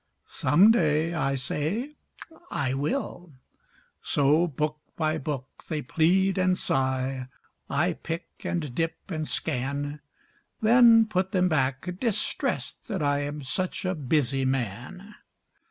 "Some day," I say, "I will." So book by book they plead and sigh; I pick and dip and scan; Then put them back, distressed that I Am such a busy man.